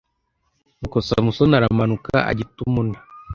nuko samusoni aramanuka ajya i timuna